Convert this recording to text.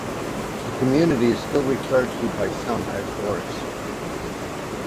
The community is still referred to by some as Dorris.